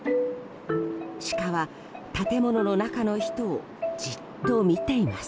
シカは建物の中の人をじっと見ています。